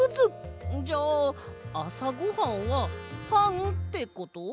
じゃああさごはんはパンってこと？